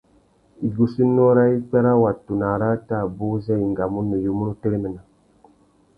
Igussénô râ ipwê râ watu na arratê abú zê i engamú nuyumú nu téréména.